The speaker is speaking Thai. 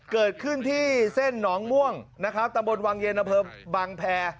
เกิดขึ้นที่เส้นหนองม่วงนะครับตะบดวังเยนเผิมบางแพร